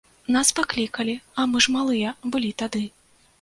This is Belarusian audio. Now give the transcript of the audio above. Нас паклікалі, а мы ж малыя былі тады.